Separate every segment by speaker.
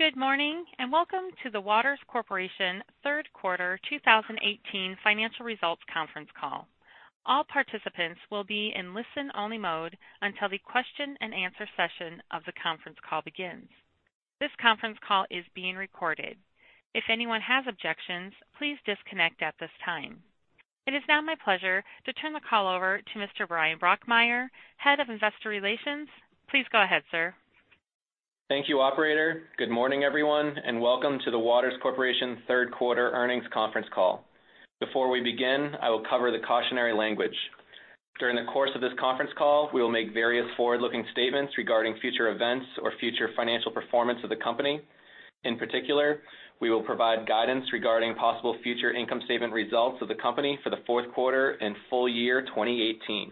Speaker 1: Good morning and welcome to the Waters Corporation Third Quarter 2018 Financial Results Conference Call. All participants will be in listen-only mode until the question-and-answer session of the conference call begins. This conference call is being recorded. If anyone has objections, please disconnect at this time. It is now my pleasure to turn the call over to Mr. Bryan Brokmeier, Head of Investor Relations. Please go ahead, sir.
Speaker 2: Thank you, Operator. Good morning, everyone, and welcome to the Waters Corporation third quarter earnings conference call. Before we begin, I will cover the cautionary language. During the course of this conference call, we will make various forward-looking statements regarding future events or future financial performance of the company. In particular, we will provide guidance regarding possible future income statement results of the company for the fourth quarter and full year 2018.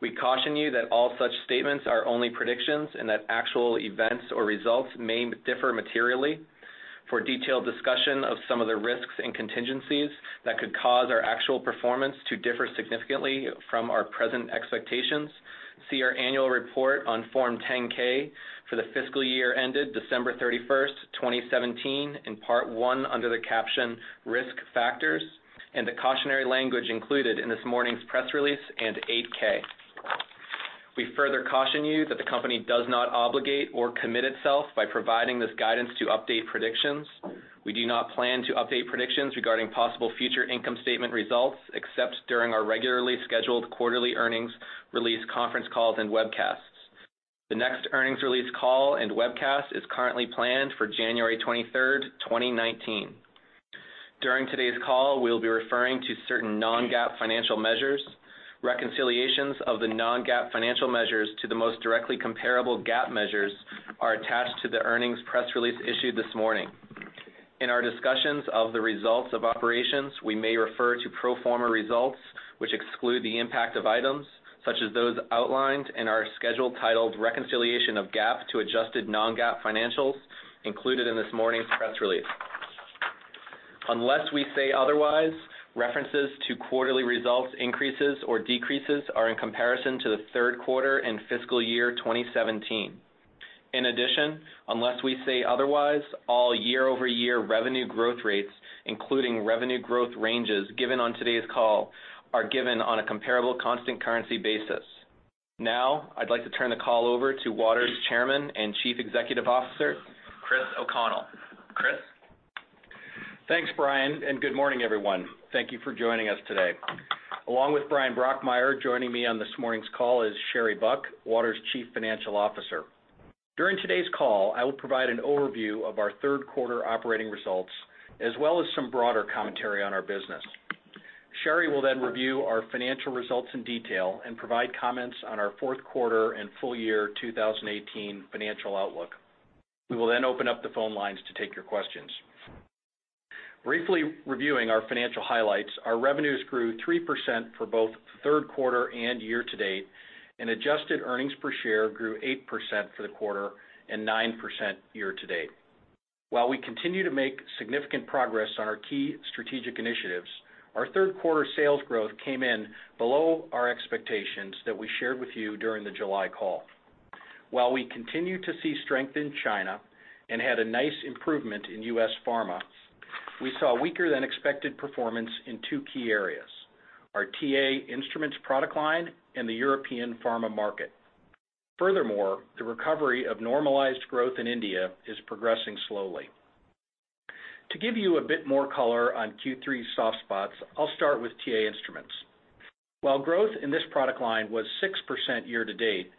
Speaker 2: We caution you that all such statements are only predictions and that actual events or results may differ materially. For detailed discussion of some of the risks and contingencies that could cause our actual performance to differ significantly from our present expectations, see our annual report on Form 10-K for the fiscal year ended December 31st, 2017, in Part 1 under the caption Risk Factors, and the cautionary language included in this morning's press release and 8-K. We further caution you that the company does not obligate or commit itself by providing this guidance to update predictions. We do not plan to update predictions regarding possible future income statement results except during our regularly scheduled quarterly earnings release conference calls and webcasts. The next earnings release call and webcast is currently planned for January 23rd, 2019. During today's call, we will be referring to certain non-GAAP financial measures. Reconciliations of the non-GAAP financial measures to the most directly comparable GAAP measures are attached to the earnings press release issued this morning. In our discussions of the results of operations, we may refer to pro forma results which exclude the impact of items such as those outlined in our schedule titled Reconciliation of GAAP to Adjusted Non-GAAP Financials included in this morning's press release. Unless we say otherwise, references to quarterly results increases or decreases are in comparison to the third quarter and fiscal year 2017. In addition, unless we say otherwise, all year-over-year revenue growth rates, including revenue growth ranges given on today's call, are given on a comparable constant currency basis. Now, I'd like to turn the call over to Waters Chairman and Chief Executive Officer, Chris O'Connell. Chris?
Speaker 3: Thanks, Bryan, and good morning, everyone. Thank you for joining us today. Along with Bryan Brokmeier, joining me on this morning's call is Sherry Buck, Waters Chief Financial Officer. During today's call, I will provide an overview of our third quarter operating results as well as some broader commentary on our business. Sherry will then review our financial results in detail and provide comments on our fourth quarter and full year 2018 financial outlook. We will then open up the phone lines to take your questions. Briefly reviewing our financial highlights, our revenues grew 3% for both third quarter and year to date, and adjusted earnings per share grew 8% for the quarter and 9% year to date. While we continue to make significant progress on our key strategic initiatives, our third quarter sales growth came in below our expectations that we shared with you during the July call. While we continue to see strength in China and had a nice improvement in U.S. Pharma, we saw weaker-than-expected performance in two key areas: our TA Instruments product line and the European pharma market. Furthermore, the recovery of normalized growth in India is progressing slowly. To give you a bit more color on Q3 soft spots, I'll start with TA Instruments. While growth in this product line was 6% year to date,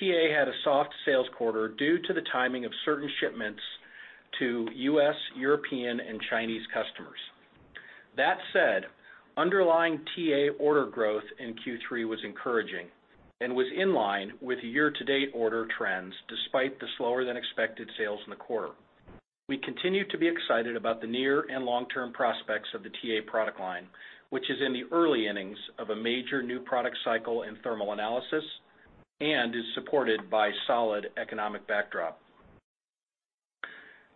Speaker 3: TA had a soft sales quarter due to the timing of certain shipments to U.S., European, and Chinese customers. That said, underlying TA order growth in Q3 was encouraging and was in line with year-to-date order trends despite the slower-than-expected sales in the quarter. We continue to be excited about the near and long-term prospects of the TA product line, which is in the early innings of a major new product cycle in thermal analysis and is supported by solid economic backdrop.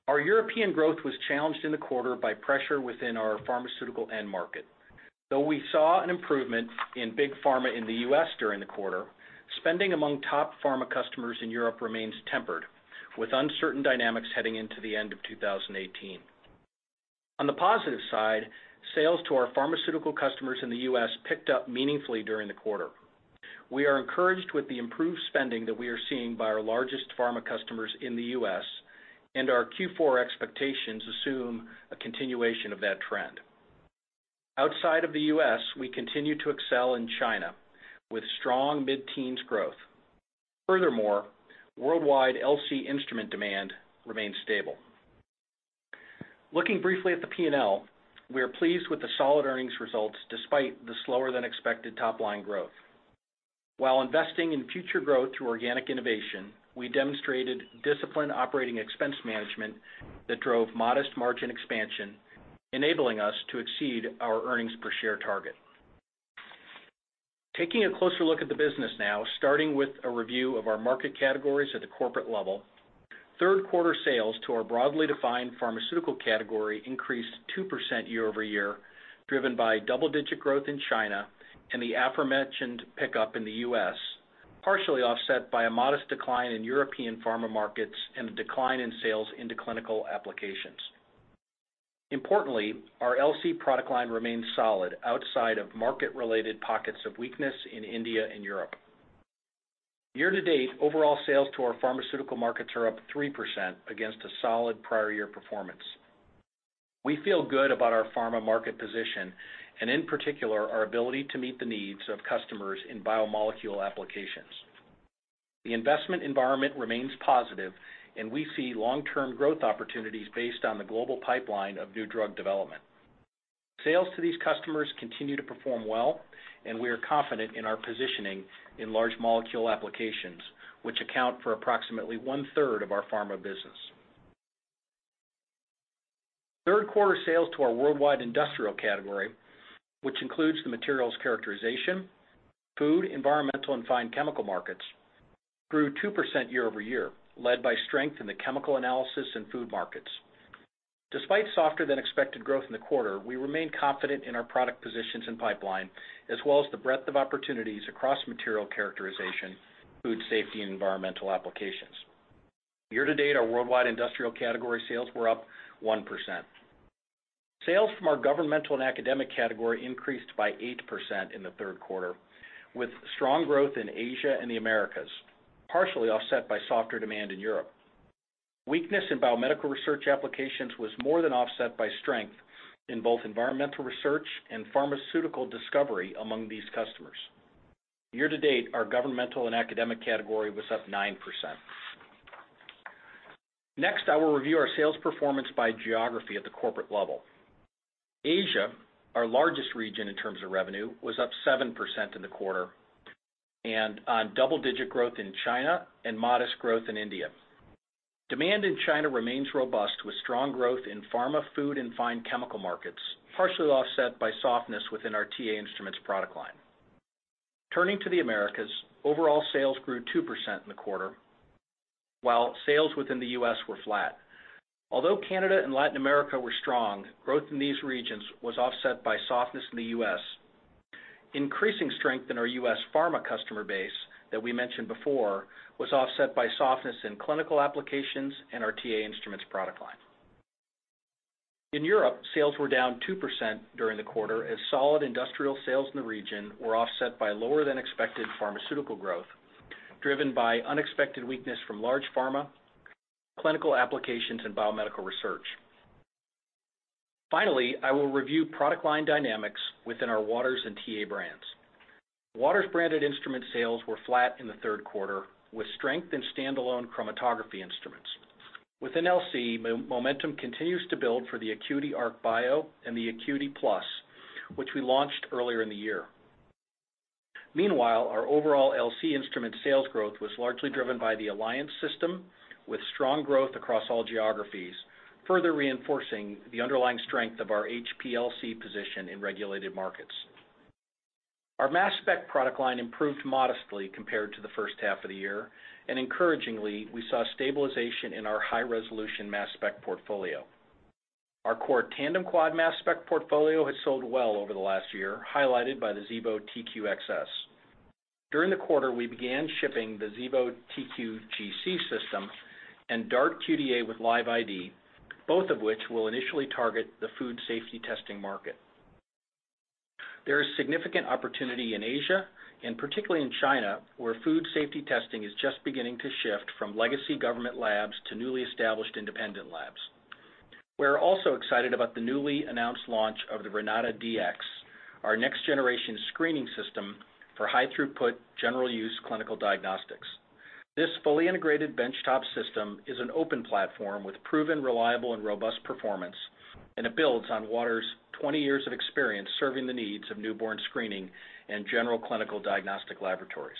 Speaker 3: Our European growth was challenged in the quarter by pressure within our pharmaceutical end market. Though we saw an improvement in big pharma in the U.S. during the quarter, spending among top pharma customers in Europe remains tempered, with uncertain dynamics heading into the end of 2018. On the positive side, sales to our pharmaceutical customers in the U.S. picked up meaningfully during the quarter. We are encouraged with the improved spending that we are seeing by our largest pharma customers in the U.S., and our Q4 expectations assume a continuation of that trend. Outside of the U.S., we continue to excel in China with strong mid-teens growth. Furthermore, worldwide LC instrument demand remains stable. Looking briefly at the P&L, we are pleased with the solid earnings results despite the slower-than-expected top-line growth. While investing in future growth through organic innovation, we demonstrated disciplined operating expense management that drove modest margin expansion, enabling us to exceed our earnings per share target. Taking a closer look at the business now, starting with a review of our market categories at the corporate level, third quarter sales to our broadly defined pharmaceutical category increased 2% year over year, driven by double-digit growth in China and the aforementioned pickup in the U.S., partially offset by a modest decline in European pharma markets and a decline in sales into clinical applications. Importantly, our LC product line remains solid outside of market-related pockets of weakness in India and Europe. Year to date, overall sales to our pharmaceutical markets are up 3% against a solid prior-year performance. We feel good about our pharma market position and, in particular, our ability to meet the needs of customers in biomolecule applications. The investment environment remains positive, and we see long-term growth opportunities based on the global pipeline of new drug development. Sales to these customers continue to perform well, and we are confident in our positioning in large molecule applications, which account for approximately one-third of our pharma business. Third quarter sales to our worldwide industrial category, which includes the materials characterization, food, environmental, and fine chemical markets, grew 2% year over year, led by strength in the chemical analysis and food markets. Despite softer-than-expected growth in the quarter, we remain confident in our product positions and pipeline, as well as the breadth of opportunities across material characterization, food safety, and environmental applications. Year to date, our worldwide industrial category sales were up 1%. Sales from our governmental and academic category increased by 8% in the third quarter, with strong growth in Asia and the Americas, partially offset by softer demand in Europe. Weakness in biomedical research applications was more than offset by strength in both environmental research and pharmaceutical discovery among these customers. Year to date, our governmental and academic category was up 9%. Next, I will review our sales performance by geography at the corporate level. Asia, our largest region in terms of revenue, was up 7% in the quarter, and on double-digit growth in China and modest growth in India. Demand in China remains robust with strong growth in pharma, food, and fine chemical markets, partially offset by softness within our TA Instruments product line. Turning to the Americas, overall sales grew 2% in the quarter, while sales within the U.S. were flat. Although Canada and Latin America were strong, growth in these regions was offset by softness in the U.S. Increasing strength in our U.S. pharma customer base that we mentioned before was offset by softness in clinical applications and our TA Instruments product line. In Europe, sales were down 2% during the quarter, as solid industrial sales in the region were offset by lower-than-expected pharmaceutical growth driven by unexpected weakness from large pharma, clinical applications, and biomedical research. Finally, I will review product line dynamics within our Waters and TA brands. Waters branded instrument sales were flat in the third quarter, with strength in standalone chromatography instruments. Within LC, momentum continues to build for the ACQUITY Arc Bio and the ACQUITY Plus, which we launched earlier in the year. Meanwhile, our overall LC instrument sales growth was largely driven by the Alliance system, with strong growth across all geographies, further reinforcing the underlying strength of our HPLC position in regulated markets. Our mass spec product line improved modestly compared to the first half of the year, and encouragingly, we saw stabilization in our high-resolution mass spec portfolio. Our core tandem quad mass spec portfolio has sold well over the last year, highlighted by the Xevo TQ-XS. During the quarter, we began shipping the Xevo TQ-GC system and DART QDa with LiveID, both of which will initially target the food safety testing market. There is significant opportunity in Asia, and particularly in China, where food safety testing is just beginning to shift from legacy government labs to newly established independent labs. We are also excited about the newly announced launch of the RenataDX, our next-generation screening system for high-throughput general-use clinical diagnostics. This fully integrated benchtop system is an open platform with proven, reliable, and robust performance, and it builds on Waters' 20 years of experience serving the needs of newborn screening and general clinical diagnostic laboratories.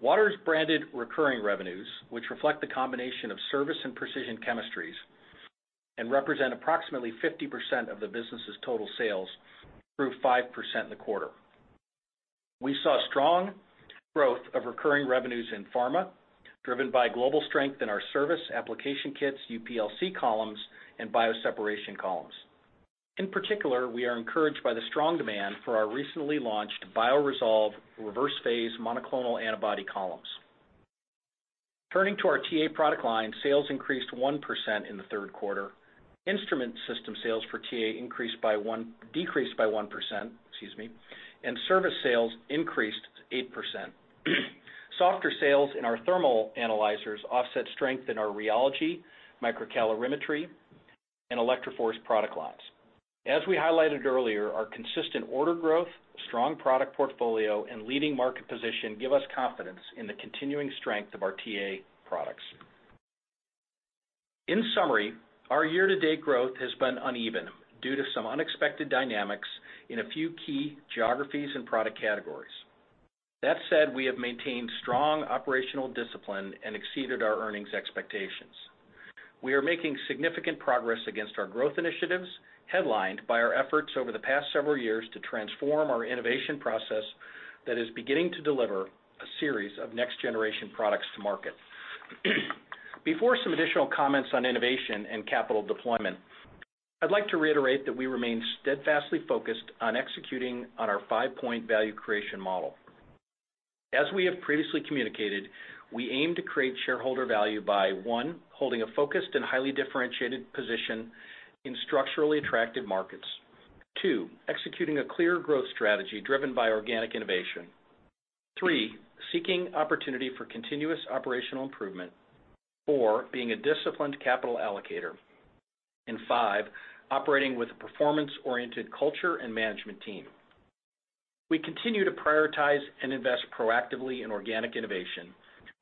Speaker 3: Waters-branded recurring revenues, which reflect the combination of service and precision chemistries, represent approximately 50% of the business's total sales and grew 5% in the quarter. We saw strong growth of recurring revenues in pharma, driven by global strength in our service application kits, UPLC columns, and bioseparation columns. In particular, we are encouraged by the strong demand for our recently launched BioResolve reversed-phase monoclonal antibody columns. Turning to our TA product line, sales increased 1% in the third quarter. Instrument system sales for TA decreased by 1%, and service sales increased 8%. Softer sales in our thermal analyzers offset strength in our rheology, microcalorimetry, and ElectroForce product lines. As we highlighted earlier, our consistent order growth, strong product portfolio, and leading market position give us confidence in the continuing strength of our TA products. In summary, our year-to-date growth has been uneven due to some unexpected dynamics in a few key geographies and product categories. That said, we have maintained strong operational discipline and exceeded our earnings expectations. We are making significant progress against our growth initiatives headlined by our efforts over the past several years to transform our innovation process that is beginning to deliver a series of next-generation products to market. Before some additional comments on innovation and capital deployment, I'd like to reiterate that we remain steadfastly focused on executing on our five-point value creation model. As we have previously communicated, we aim to create shareholder value by, one, holding a focused and highly differentiated position in structurally attractive markets, two, executing a clear growth strategy driven by organic innovation, three, seeking opportunity for continuous operational improvement, four, being a disciplined capital allocator, and five, operating with a performance-oriented culture and management team. We continue to prioritize and invest proactively in organic innovation,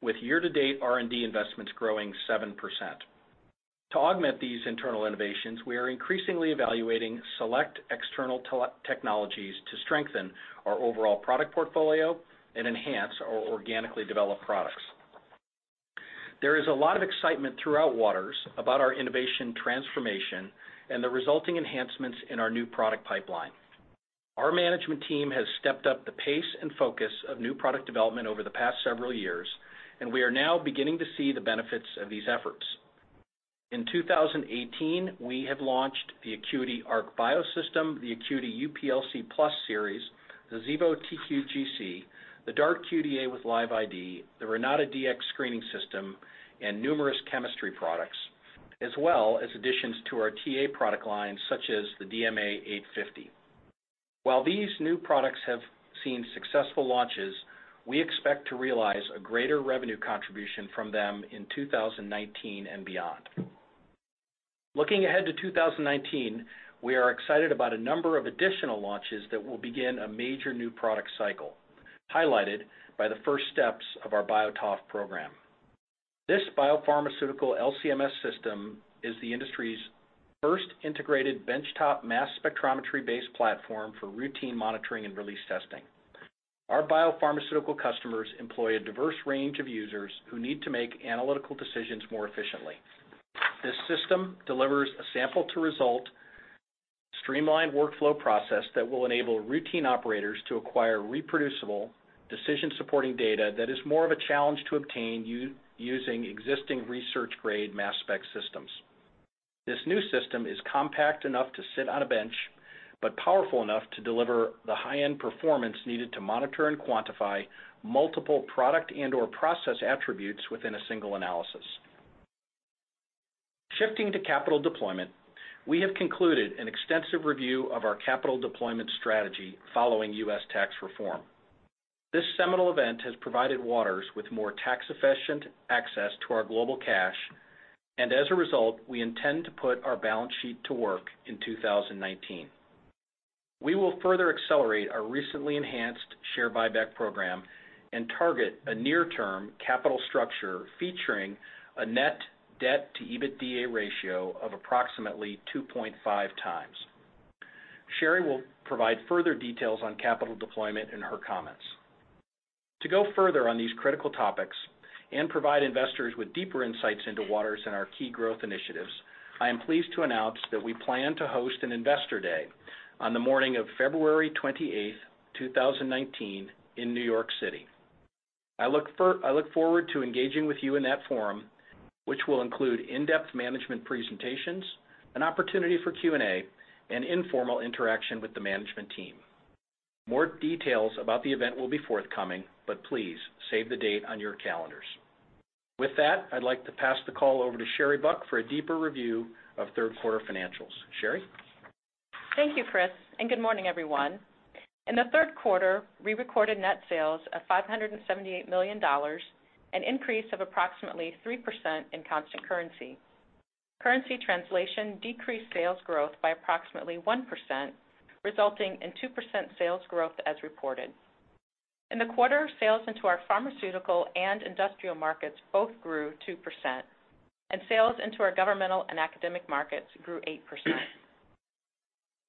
Speaker 3: with year-to-date R&D investments growing 7%. To augment these internal innovations, we are increasingly evaluating select external technologies to strengthen our overall product portfolio and enhance our organically developed products. There is a lot of excitement throughout Waters about our innovation transformation and the resulting enhancements in our new product pipeline. Our management team has stepped up the pace and focus of new product development over the past several years, and we are now beginning to see the benefits of these efforts. In 2018, we have launched the ACQUITY Arc Bio System, the ACQUITY UPLC Plus Series, the Xevo TQ-GC, the DART QDa with LiveID, the RenataDX Screening System, and numerous chemistry products, as well as additions to our TA product line, such as the DMA 850. While these new products have seen successful launches, we expect to realize a greater revenue contribution from them in 2019 and beyond. Looking ahead to 2019, we are excited about a number of additional launches that will begin a major new product cycle, highlighted by the first steps of our BioTOF program. This biopharmaceutical LC-MS system is the industry's first integrated benchtop mass spectrometry-based platform for routine monitoring and release testing. Our biopharmaceutical customers employ a diverse range of users who need to make analytical decisions more efficiently. This system delivers a sample-to-result streamlined workflow process that will enable routine operators to acquire reproducible, decision-supporting data that is more of a challenge to obtain using existing research-grade mass spec systems. This new system is compact enough to sit on a bench but powerful enough to deliver the high-end performance needed to monitor and quantify multiple product and/or process attributes within a single analysis. Shifting to capital deployment, we have concluded an extensive review of our capital deployment strategy following U.S. tax reform. This seminal event has provided Waters with more tax-efficient access to our global cash, and as a result, we intend to put our balance sheet to work in 2019. We will further accelerate our recently enhanced share buyback program and target a near-term capital structure featuring a net debt-to-EBITDA ratio of approximately 2.5 times. Sherry will provide further details on capital deployment in her comments. To go further on these critical topics and provide investors with deeper insights into Waters and our key growth initiatives, I am pleased to announce that we plan to host an Investor Day on the morning of February 28th, 2019, in New York City. I look forward to engaging with you in that forum, which will include in-depth management presentations, an opportunity for Q&A, and informal interaction with the management team. More details about the event will be forthcoming, but please save the date on your calendars. With that, I'd like to pass the call over to Sherry Buck for a deeper review of third-quarter financials. Sherry?
Speaker 4: Thank you, Chris, and good morning, everyone. In the third quarter, we recorded net sales of $578 million, an increase of approximately 3% in constant currency. Currency translation decreased sales growth by approximately 1%, resulting in 2% sales growth as reported. In the quarter, sales into our pharmaceutical and industrial markets both grew 2%, and sales into our governmental and academic markets grew 8%.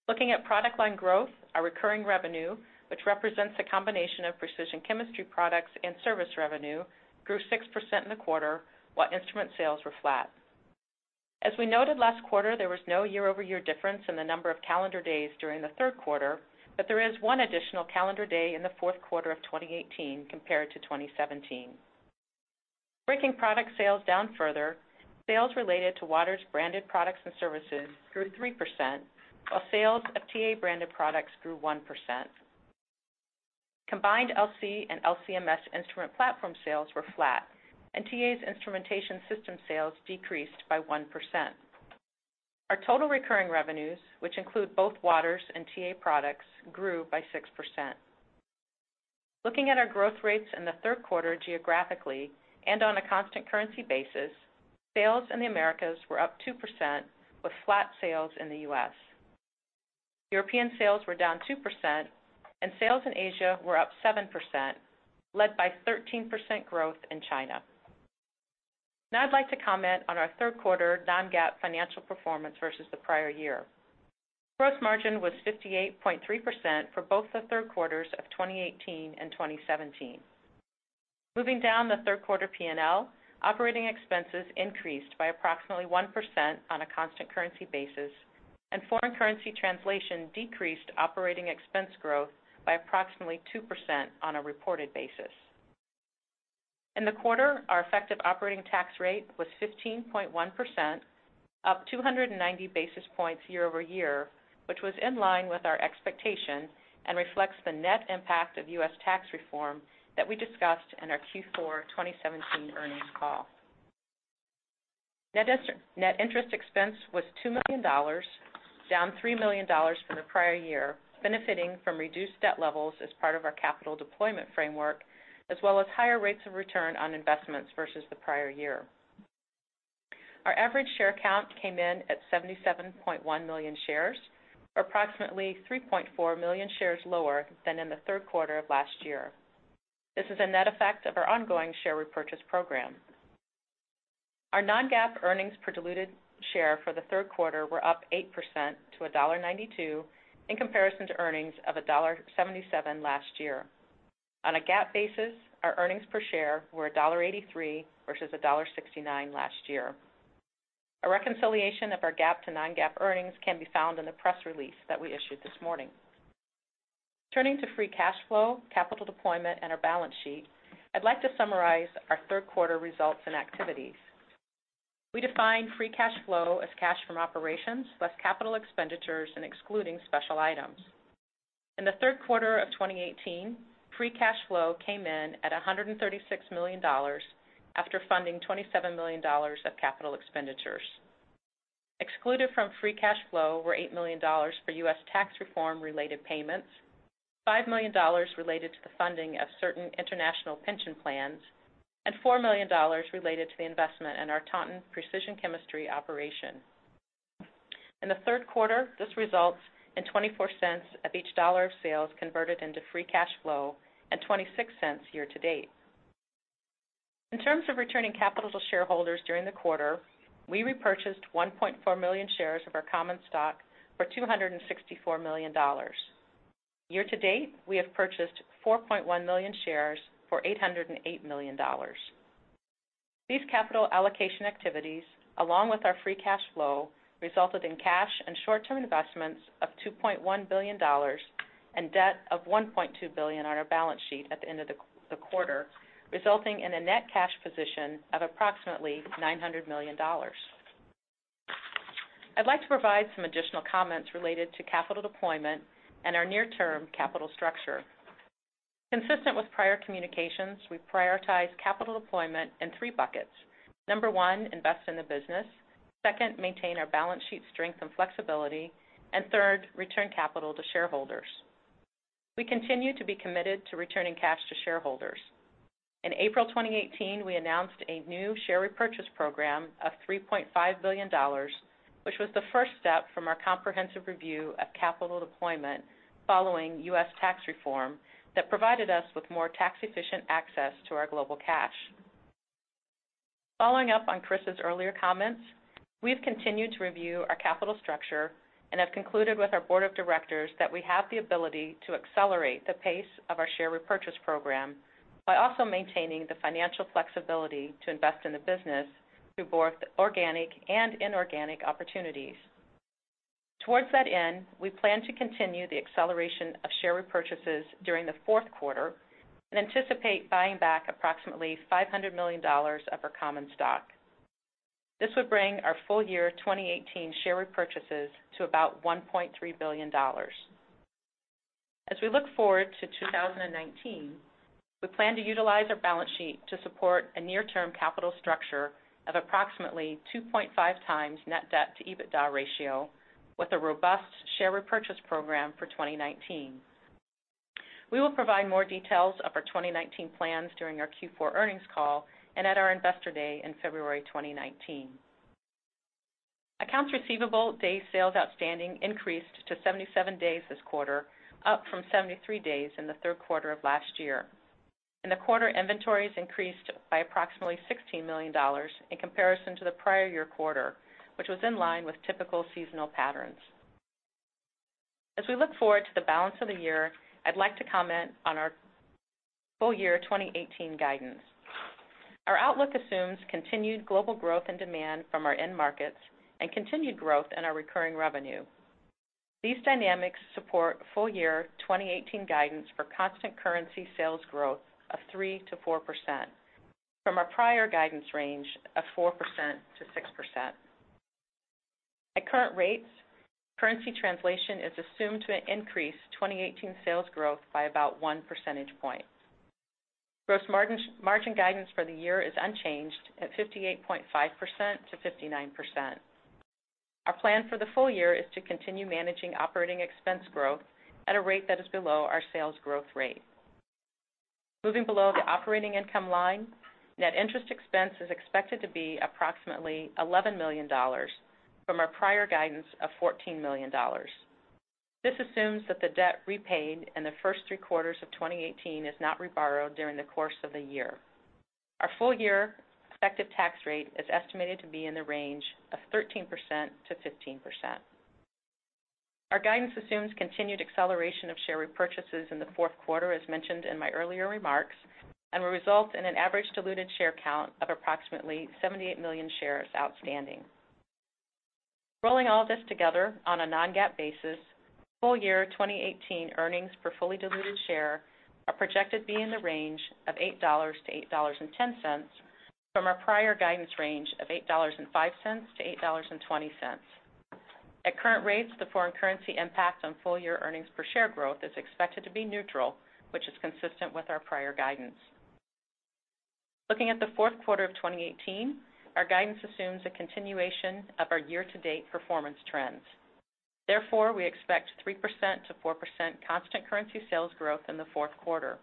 Speaker 4: Looking at product line growth, our recurring revenue, which represents a combination of precision chemistry products and service revenue, grew 6% in the quarter, while instrument sales were flat. As we noted last quarter, there was no year-over-year difference in the number of calendar days during the third quarter, but there is one additional calendar day in the fourth quarter of 2018 compared to 2017. Breaking product sales down further, sales related to Waters branded products and services grew 3%, while sales of TA branded products grew 1%. Combined LC and LC-MS instrument platform sales were flat, and TA's instrumentation system sales decreased by 1%. Our total recurring revenues, which include both Waters and TA products, grew by 6%. Looking at our growth rates in the third quarter geographically and on a constant currency basis, sales in the Americas were up 2%, with flat sales in the U.S. European sales were down 2%, and sales in Asia were up 7%, led by 13% growth in China. Now I'd like to comment on our third-quarter non-GAAP financial performance versus the prior year. Gross margin was 58.3% for both the third quarters of 2018 and 2017. Moving down the third-quarter P&L, operating expenses increased by approximately 1% on a constant currency basis, and foreign currency translation decreased operating expense growth by approximately 2% on a reported basis. In the quarter, our effective operating tax rate was 15.1%, up 290 basis points year-over-year, which was in line with our expectation and reflects the net impact of U.S. tax reform that we discussed in our Q4 2017 earnings call. Net interest expense was $2 million, down $3 million from the prior year, benefiting from reduced debt levels as part of our capital deployment framework, as well as higher rates of return on investments versus the prior year. Our average share count came in at 77.1 million shares, or approximately 3.4 million shares lower than in the third quarter of last year. This is a net effect of our ongoing share repurchase program. Our non-GAAP earnings per diluted share for the third quarter were up 8% to $1.92 in comparison to earnings of $1.77 last year. On a GAAP basis, our earnings per share were $1.83 versus $1.69 last year. A reconciliation of our GAAP to non-GAAP earnings can be found in the press release that we issued this morning. Turning to free cash flow, capital deployment, and our balance sheet, I'd like to summarize our third-quarter results and activities. We defined free cash flow as cash from operations less capital expenditures and excluding special items. In the third quarter of 2018, free cash flow came in at $136 million after funding $27 million of capital expenditures. Excluded from free cash flow were $8 million for U.S. tax reform-related payments, $5 million related to the funding of certain international pension plans, and $4 million related to the investment in our Taunton Precision Chemistry operation. In the third quarter, this results in 24 cents of each dollar of sales converted into free cash flow and 26 cents year-to-date. In terms of returning capital to shareholders during the quarter, we repurchased 1.4 million shares of our common stock for $264 million. Year-to-date, we have purchased 4.1 million shares for $808 million. These capital allocation activities, along with our free cash flow, resulted in cash and short-term investments of $2.1 billion and debt of $1.2 billion on our balance sheet at the end of the quarter, resulting in a net cash position of approximately $900 million. I'd like to provide some additional comments related to capital deployment and our near-term capital structure. Consistent with prior communications, we prioritize capital deployment in three buckets. Number one, invest in the business. Second, maintain our balance sheet strength and flexibility. And third, return capital to shareholders. We continue to be committed to returning cash to shareholders. In April 2018, we announced a new share repurchase program of $3.5 billion, which was the first step from our comprehensive review of capital deployment following U.S. tax reform that provided us with more tax-efficient access to our global cash. Following up on Chris's earlier comments, we have continued to review our capital structure and have concluded with our board of directors that we have the ability to accelerate the pace of our share repurchase program by also maintaining the financial flexibility to invest in the business through both organic and inorganic opportunities. Towards that end, we plan to continue the acceleration of share repurchases during the fourth quarter and anticipate buying back approximately $500 million of our common stock. This would bring our full year 2018 share repurchases to about $1.3 billion. As we look forward to 2019, we plan to utilize our balance sheet to support a near-term capital structure of approximately 2.5 times Net Debt-to-EBITDA ratio with a robust share repurchase program for 2019. We will provide more details of our 2019 plans during our Q4 earnings call and at our Investor Day in February 2019. Accounts receivable day sales outstanding increased to 77 days this quarter, up from 73 days in the third quarter of last year. In the quarter, inventories increased by approximately $16 million in comparison to the prior year quarter, which was in line with typical seasonal patterns. As we look forward to the balance of the year, I'd like to comment on our full year 2018 guidance. Our outlook assumes continued global growth and demand from our end markets and continued growth in our recurring revenue. These dynamics support full year 2018 guidance for constant currency sales growth of 3%-4% from our prior guidance range of 4%-6%. At current rates, currency translation is assumed to increase 2018 sales growth by about one percentage point. Gross margin guidance for the year is unchanged at 58.5%-59%. Our plan for the full year is to continue managing operating expense growth at a rate that is below our sales growth rate. Moving below the operating income line, net interest expense is expected to be approximately $11 million from our prior guidance of $14 million. This assumes that the debt repaid in the first three quarters of 2018 is not reborrowed during the course of the year. Our full year effective tax rate is estimated to be in the range of 13%-15%. Our guidance assumes continued acceleration of share repurchases in the fourth quarter, as mentioned in my earlier remarks, and will result in an average diluted share count of approximately 78 million shares outstanding. Rolling all this together on a non-GAAP basis, full year 2018 earnings per fully diluted share are projected to be in the range of $8-$8.10 from our prior guidance range of $8.05-$8.20. At current rates, the foreign currency impact on full year earnings per share growth is expected to be neutral, which is consistent with our prior guidance. Looking at the fourth quarter of 2018, our guidance assumes a continuation of our year-to-date performance trends. Therefore, we expect 3%-4% constant currency sales growth in the fourth quarter.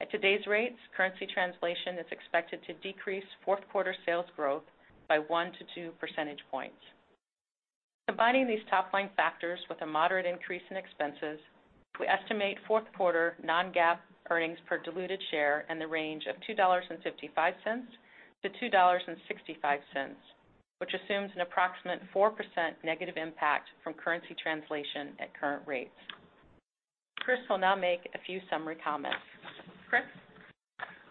Speaker 4: At today's rates, currency translation is expected to decrease fourth quarter sales growth by 1 to 2 percentage points. Combining these top-line factors with a moderate increase in expenses, we estimate fourth quarter non-GAAP earnings per diluted share in the range of $2.55-$2.65, which assumes an approximate 4% negative impact from currency translation at current rates. Chris will now make a few summary comments. Chris?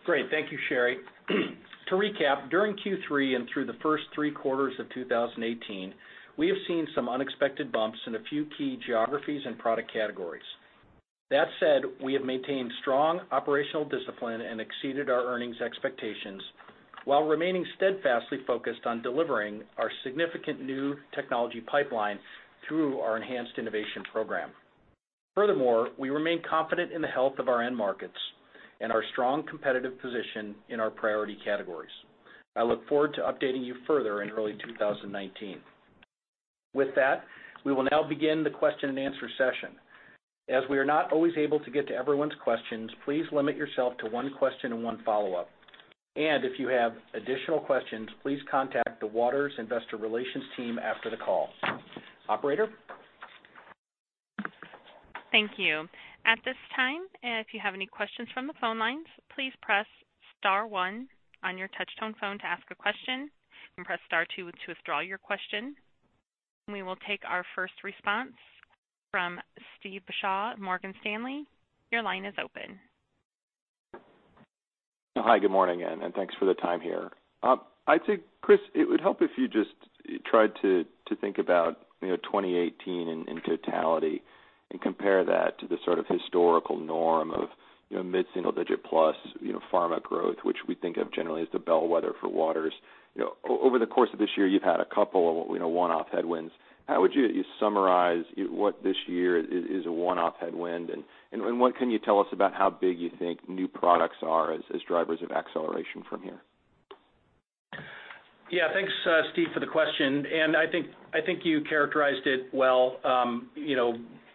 Speaker 3: Great. Thank you, Sherry. To recap, during Q3 and through the first three quarters of 2018, we have seen some unexpected bumps in a few key geographies and product categories. That said, we have maintained strong operational discipline and exceeded our earnings expectations while remaining steadfastly focused on delivering our significant new technology pipeline through our enhanced innovation program. Furthermore, we remain confident in the health of our end markets and our strong competitive position in our priority categories. I look forward to updating you further in early 2019. With that, we will now begin the question and answer session. As we are not always able to get to everyone's questions, please limit yourself to one question and one follow-up. And if you have additional questions, please contact the Waters Investor Relations team after the call. Operator?
Speaker 1: Thank you. At this time, if you have any questions from the phone lines, please press star one on your touch-tone phone to ask a question. You can press star two to withdraw your question. We will take our first response from Steve Beuchaw, Morgan Stanley. Your line is open.
Speaker 5: Hi, good morning, and thanks for the time here. I'd say, Chris, it would help if you just tried to think about 2018 in totality and compare that to the sort of historical norm of mid-single-digit plus pharma growth, which we think of generally as the bellwether for Waters. Over the course of this year, you've had a couple of one-off headwinds. How would you summarize what this year is a one-off headwind, and what can you tell us about how big you think new products are as drivers of acceleration from here?
Speaker 3: Yeah, thanks, Steve, for the question, and I think you characterized it well.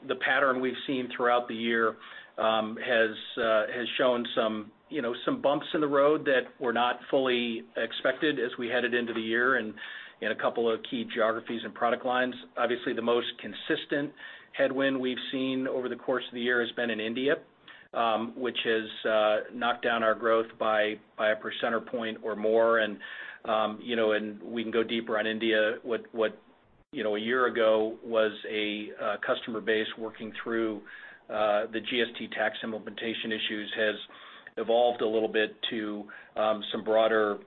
Speaker 3: The pattern we've seen throughout the year has shown some bumps in the road that were not fully expected as we headed into the year in a couple of key geographies and product lines. Obviously, the most consistent headwind we've seen over the course of the year has been in India, which has knocked down our growth by a percentage point or more, and we can go deeper on India. What a year ago was a customer base working through the GST tax implementation issues has evolved a little bit to some broader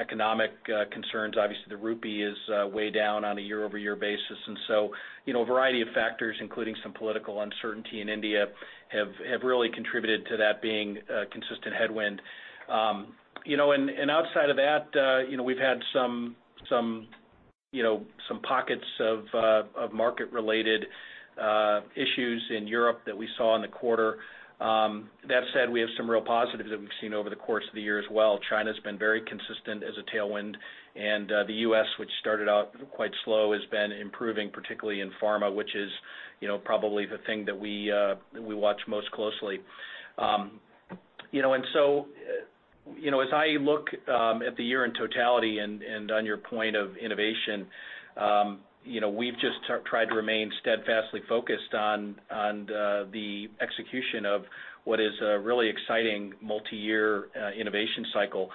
Speaker 3: economic concerns. Obviously, the rupee is way down on a year-over-year basis, and so a variety of factors, including some political uncertainty in India, have really contributed to that being a consistent headwind, and outside of that, we've had some pockets of market-related issues in Europe that we saw in the quarter. That said, we have some real positives that we've seen over the course of the year as well. China has been very consistent as a tailwind, and the U.S., which started out quite slow, has been improving, particularly in pharma, which is probably the thing that we watch most closely. And so as I look at the year in totality and on your point of innovation, we've just tried to remain steadfastly focused on the execution of what is a really exciting multi-year innovation cycle.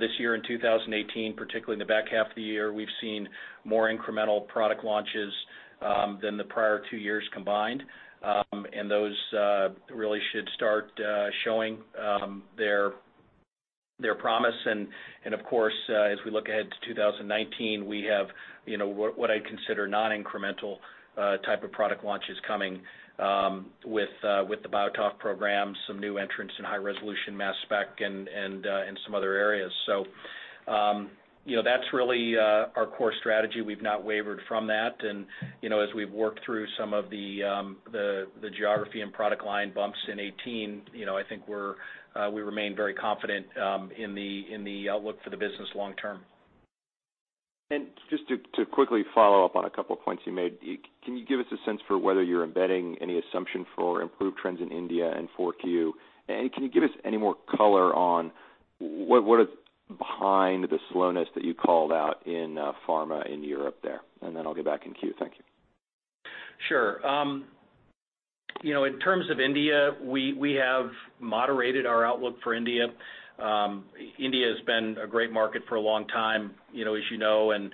Speaker 3: This year in 2018, particularly in the back half of the year, we've seen more incremental product launches than the prior two years combined, and those really should start showing their promise. And of course, as we look ahead to 2019, we have what I'd consider non-incremental type of product launches coming with the BioTOF program, some new entrants in high-resolution mass spec and some other areas. So that's really our core strategy. We've not wavered from that. And as we've worked through some of the geography and product line bumps in 2018, I think we remain very confident in the outlook for the business long-term. And just to quickly follow up on a couple of points you made, can you give us a sense for whether you're embedding any assumption for improved trends in India and for Q? And can you give us any more color on what is behind the slowness that you called out in pharma in Europe there? And then I'll get back in Q. Thank you. Sure. In terms of India, we have moderated our outlook for India. India has been a great market for a long time, as you know, and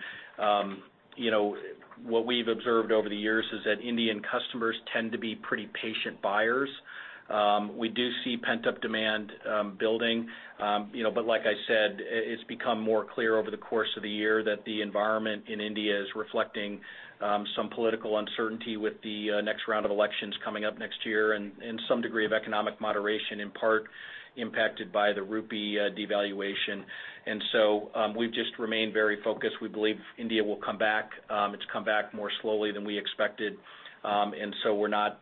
Speaker 3: what we've observed over the years is that Indian customers tend to be pretty patient buyers. We do see pent-up demand building, but like I said, it's become more clear over the course of the year that the environment in India is reflecting some political uncertainty with the next round of elections coming up next year and some degree of economic moderation, in part impacted by the rupee devaluation, and so we've just remained very focused. We believe India will come back. It's come back more slowly than we expected, and so we're not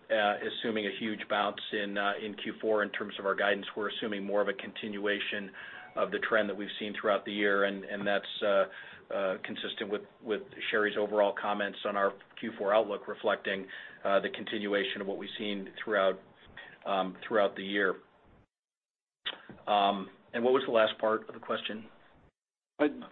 Speaker 3: assuming a huge bounce in Q4 in terms of our guidance. We're assuming more of a continuation of the trend that we've seen throughout the year. And that's consistent with Sherry's overall comments on our Q4 outlook, reflecting the continuation of what we've seen throughout the year. And what was the last part of the question?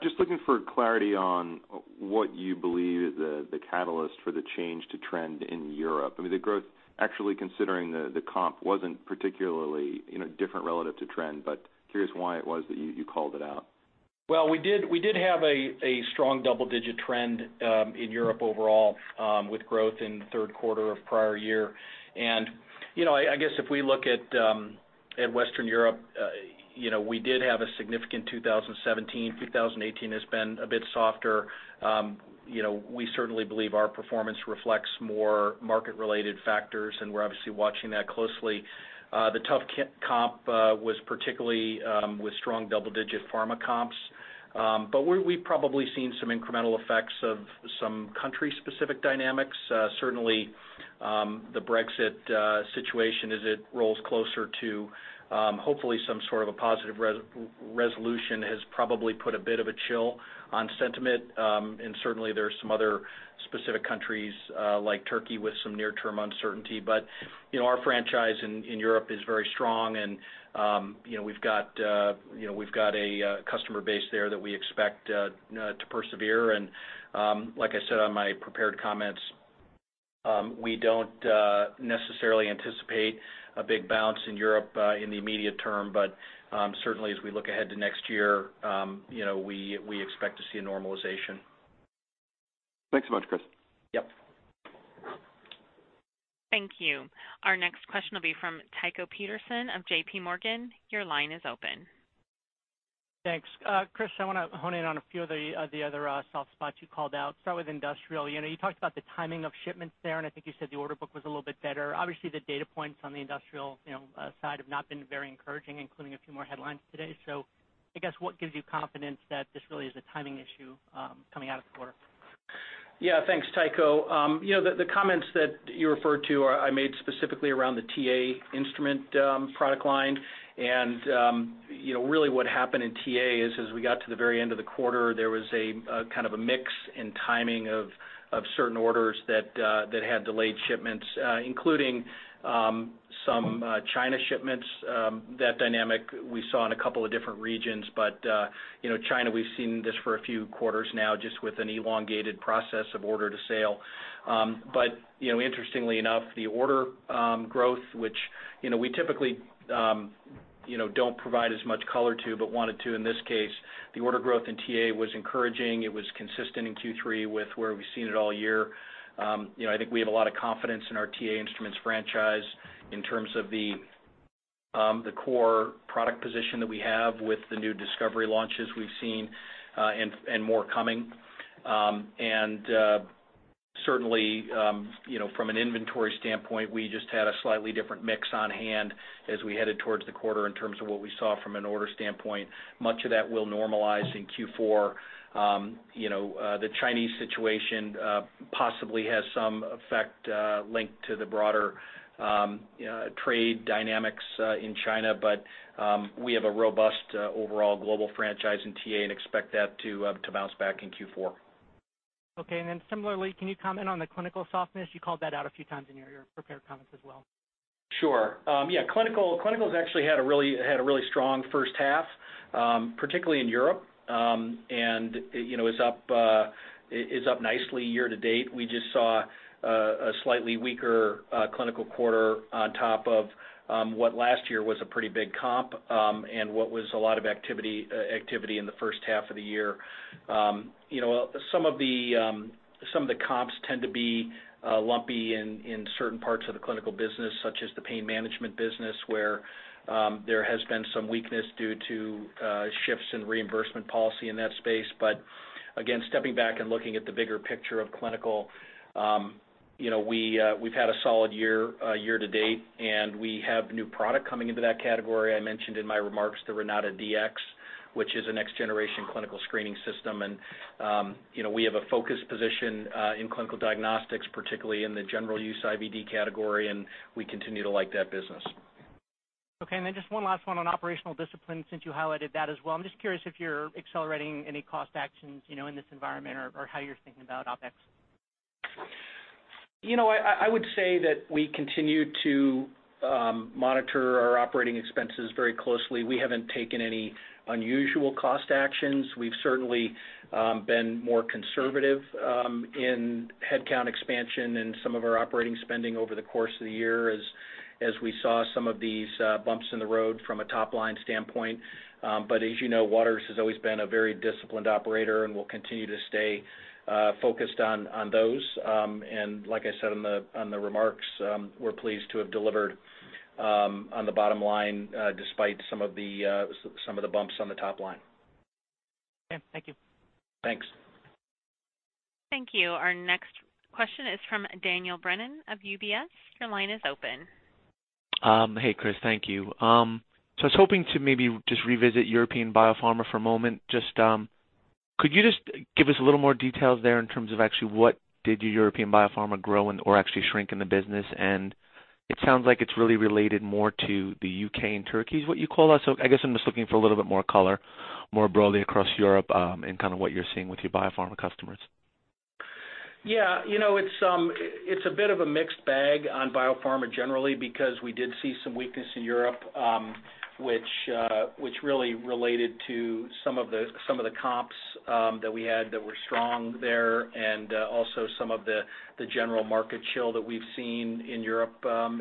Speaker 5: Just looking for clarity on what you believe is the catalyst for the change to trend in Europe. I mean, the growth, actually considering the comp, wasn't particularly different relative to trend, but curious why it was that you called it out.
Speaker 6: Well, we did have a strong double-digit trend in Europe overall with growth in the third quarter of prior year. And I guess if we look at Western Europe, we did have a significant 2017. 2018 has been a bit softer. We certainly believe our performance reflects more market-related factors, and we're obviously watching that closely. The tough comp was particularly with strong double-digit pharma comps. But we've probably seen some incremental effects of some country-specific dynamics. Certainly, the Brexit situation, as it rolls closer to hopefully some sort of a positive resolution, has probably put a bit of a chill on sentiment. And certainly, there are some other specific countries like Turkey with some near-term uncertainty. But our franchise in Europe is very strong, and we've got a customer base there that we expect to persevere. And like I said on my prepared comments, we don't necessarily anticipate a big bounce in Europe in the immediate term. But certainly, as we look ahead to next year, we expect to see a normalization.
Speaker 5: Thanks so much, Chris.
Speaker 6: Yep.
Speaker 1: Thank you. Our next question will be from Tycho Peterson of JPMorgan. Your line is open. Thanks. Chris, I want to hone in on a few of the other soft spots you called out. Start with industrial.
Speaker 7: You talked about the timing of shipments there, and I think you said the order book was a little bit better. Obviously, the data points on the industrial side have not been very encouraging, including a few more headlines today. So I guess, what gives you confidence that this really is a timing issue coming out of the quarter?
Speaker 3: Yeah, thanks, Tycho. The comments that you referred to, I made specifically around the TA Instruments product line. And really, what happened in TA is, as we got to the very end of the quarter, there was a kind of a mix in timing of certain orders that had delayed shipments, including some China shipments. That dynamic we saw in a couple of different regions. But China, we've seen this for a few quarters now, just with an elongated process of order to sale. But interestingly enough, the order growth, which we typically don't provide as much color to but wanted to in this case, the order growth in TA was encouraging. It was consistent in Q3 with where we've seen it all year. I think we have a lot of confidence in our TA instruments franchise in terms of the core product position that we have with the new discovery launches we've seen and more coming. And certainly, from an inventory standpoint, we just had a slightly different mix on hand as we headed towards the quarter in terms of what we saw from an order standpoint. Much of that will normalize in Q4. The Chinese situation possibly has some effect linked to the broader trade dynamics in China. But we have a robust overall global franchise in TA and expect that to bounce back in Q4.
Speaker 8: Okay. And then similarly, can you comment on the clinical softness? You called that out a few times in your prepared comments as well.
Speaker 3: Sure. Yeah, clinicals actually had a really strong first half, particularly in Europe, and is up nicely year to date. We just saw a slightly weaker clinical quarter on top of what last year was a pretty big comp and what was a lot of activity in the first half of the year. Some of the comps tend to be lumpy in certain parts of the clinical business, such as the pain management business, where there has been some weakness due to shifts in reimbursement policy in that space. But again, stepping back and looking at the bigger picture of clinical, we've had a solid year to date, and we have new product coming into that category. I mentioned in my remarks the RenataDX, which is a next-generation clinical screening system. And we have a focused position in clinical diagnostics, particularly in the general use IVD category, and we continue to like that business. Okay. And then just one last one on operational discipline, since you highlighted that as well. I'm just curious if you're accelerating any cost actions in this environment or how you're thinking about OpEx. I would say that we continue to monitor our operating expenses very closely. We haven't taken any unusual cost actions. We've certainly been more conservative in headcount expansion and some of our operating spending over the course of the year as we saw some of these bumps in the road from a top-line standpoint. But as you know, Waters has always been a very disciplined operator and will continue to stay focused on those. Like I said on the remarks, we're pleased to have delivered on the bottom line despite some of the bumps on the top line. Okay. Thank you.
Speaker 7: Thanks.
Speaker 1: Thank you. Our next question is from Daniel Brennan of UBS. Your line is open.
Speaker 9: Hey, Chris. Thank you. So I was hoping to maybe just revisit European biopharma for a moment. Could you just give us a little more details there in terms of actually what did your European biopharma grow or actually shrink in the business? And it sounds like it's really related more to the U.K. and Turkey, is what you call it. So I guess I'm just looking for a little bit more color, more broadly across Europe and kind of what you're seeing with your biopharma customers.
Speaker 3: Yeah. It's a bit of a mixed bag on biopharma generally because we did see some weakness in Europe, which really related to some of the comps that we had that were strong there and also some of the general market chill that we've seen in Europe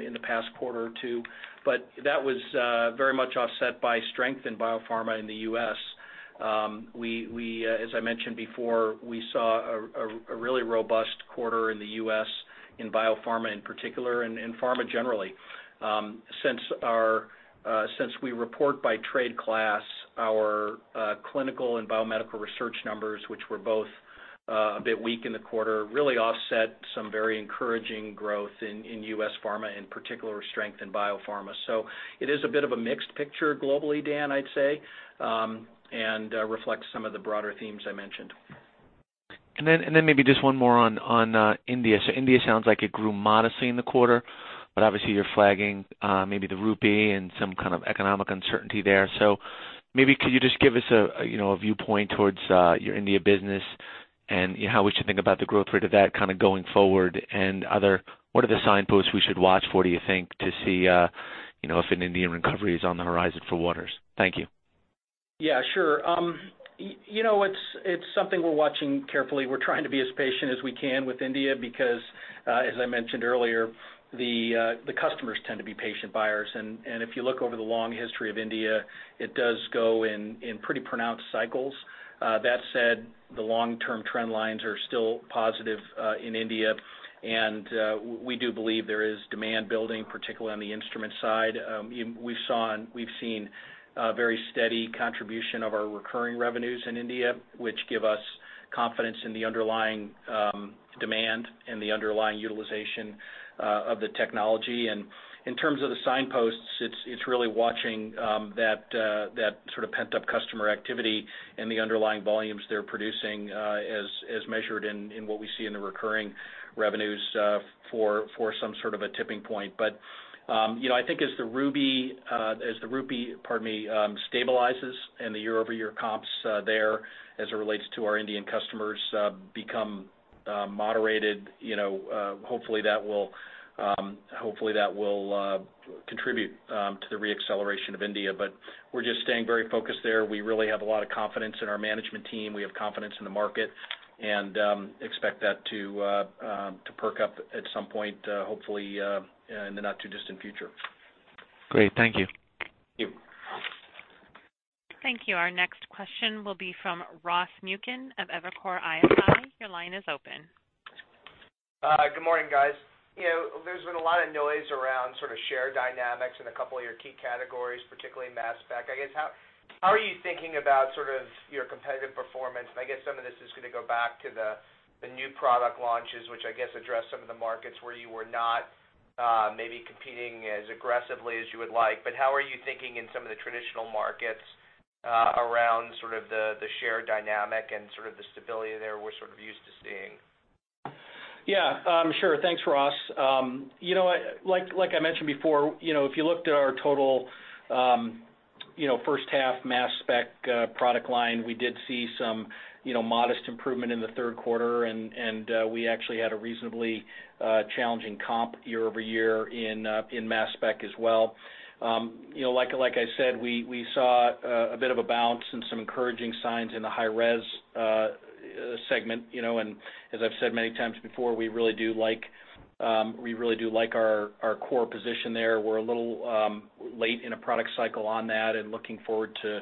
Speaker 3: in the past quarter or two. But that was very much offset by strength in biopharma in the U.S. As I mentioned before, we saw a really robust quarter in the U.S. in biopharma in particular and pharma generally. Since we report by trade class, our clinical and biomedical research numbers, which were both a bit weak in the quarter, really offset some very encouraging growth in U.S. pharma in particular or strength in biopharma. So it is a bit of a mixed picture globally, Dan, I'd say, and reflects some of the broader themes I mentioned.
Speaker 9: And then maybe just one more on India. So India sounds like it grew modestly in the quarter, but obviously, you're flagging maybe the rupee and some kind of economic uncertainty there. So maybe could you just give us a viewpoint towards your India business and how we should think about the growth rate of that kind of going forward? And what are the signposts we should watch for, do you think, to see if an Indian recovery is on the horizon for Waters? Thank you. Yeah, sure. It's something we're watching carefully. We're trying to be as patient as we can with India because, as I mentioned earlier, the customers tend to be patient buyers. And if you look over the long history of India, it does go in pretty pronounced cycles. That said, the long-term trend lines are still positive in India. And we do believe there is demand building, particularly on the instrument side. We've seen very steady contribution of our recurring revenues in India, which give us confidence in the underlying demand and the underlying utilization of the technology. And in terms of the signposts, it's really watching that sort of pent-up customer activity and the underlying volumes they're producing as measured in what we see in the recurring revenues for some sort of a tipping point. But I think as the rupee stabilizes and the year-over-year comps there as it relates to our Indian customers become moderated, hopefully, that will contribute to the re-acceleration of India. But we're just staying very focused there. We really have a lot of confidence in our management team. We have confidence in the market and expect that to perk up at some point, hopefully, in the not-too-distant future.
Speaker 10: Great. Thank you.
Speaker 9: Thank you.
Speaker 1: Thank you. Our next question will be from Ross Muken of Evercore ISI. Your line is open.
Speaker 11: Good morning, guys. There's been a lot of noise around sort of share dynamics in a couple of your key categories, particularly mass spec. I guess, how are you thinking about sort of your competitive performance? And I guess some of this is going to go back to the new product launches, which I guess address some of the markets where you were not maybe competing as aggressively as you would like. But how are you thinking in some of the traditional markets around sort of the share dynamic and sort of the stability there we're sort of used to seeing?
Speaker 3: Yeah. Sure. Thanks, Ross. Like I mentioned before, if you looked at our total first half mass spec product line, we did see some modest improvement in the third quarter. We actually had a reasonably challenging comp year over year in mass spec as well. Like I said, we saw a bit of a bounce and some encouraging signs in the high-res segment. As I've said many times before, we really do like our core position there. We're a little late in a product cycle on that and looking forward to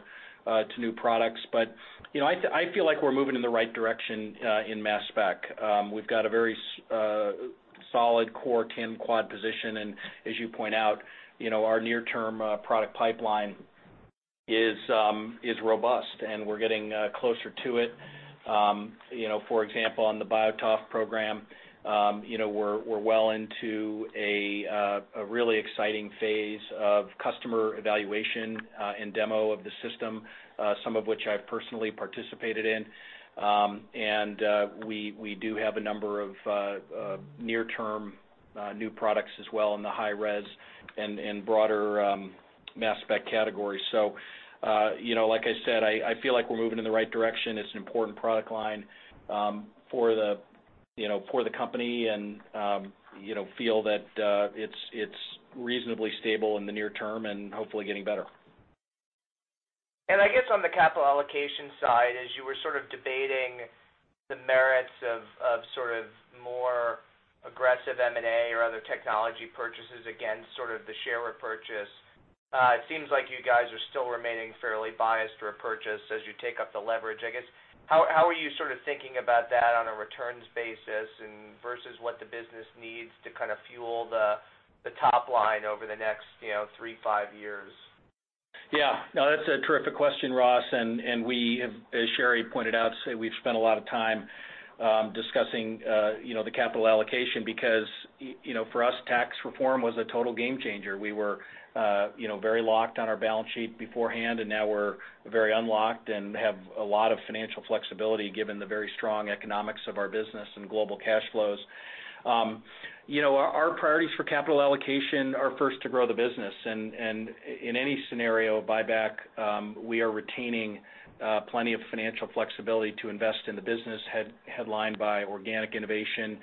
Speaker 3: new products. I feel like we're moving in the right direction in mass Spec. We've got a very solid core tandem quad position. As you point out, our near-term product pipeline is robust, and we're getting closer to it. For example, on the BioTOF program, we're well into a really exciting phase of customer evaluation and demo of the system, some of which I've personally participated in.
Speaker 11: And we do have a number of near-term new products as well in the high-res and broader mass spec category. So like I said, I feel like we're moving in the right direction. It's an important product line for the company and I feel that it's reasonably stable in the near term and hopefully getting better. And I guess on the capital allocation side, as you were sort of debating the merits of sort of more aggressive M&A or other technology purchases against sort of the share repurchase, it seems like you guys are still remaining fairly biased repurchase as you take up the leverage. I guess, how are you sort of thinking about that on a returns basis versus what the business needs to kind of fuel the top line over the next three, five years?
Speaker 12: Yeah. No, that's a terrific question, Ross. And as Sherry pointed out, we've spent a lot of time discussing the capital allocation because for us, tax reform was a total game changer. We were very locked on our balance sheet beforehand, and now we're very unlocked and have a lot of financial flexibility given the very strong economics of our business and global cash flows. Our priorities for capital allocation are first to grow the business. And in any scenario, buyback, we are retaining plenty of financial flexibility to invest in the business headlined by organic innovation,